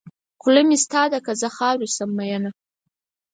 خوله مې ستا ده که زه خاورې شم مینه.